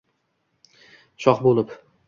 Shoh bo’lib